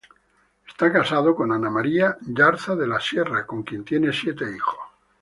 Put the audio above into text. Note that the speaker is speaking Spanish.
Está casado con Ana María Yarza de la Sierra, con quien tiene siete hijos.